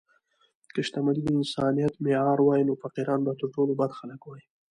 که شتمني د انسانیت معیار وای، نو فقیران به تر ټولو بد خلک وای.